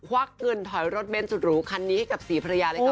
วักเงินถอยรถเบ้นสุดหรูคันนี้ให้กับศรีภรรยาเลยค่ะ